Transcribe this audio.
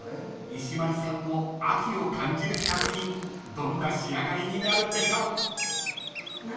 ［石丸さんの秋を感じる作品どんな仕上がりになるんでしょう］